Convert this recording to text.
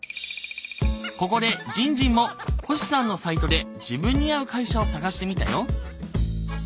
ここでじんじんも星さんのサイトで自分に合う会社を探してみたよ。